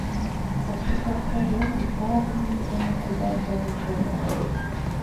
Пасу капка велым пар имне дене кудал толын шогалыт.